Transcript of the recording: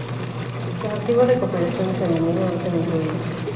Las antiguas recopilaciones en vinilo no se han incluido.